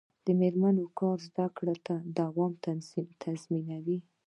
د میرمنو کار د زدکړو دوام تضمینوي.